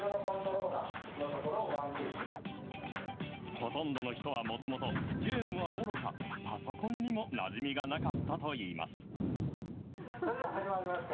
ほとんどの人はもともとゲームはおろか、パソコンにもなじみがなかったといいます。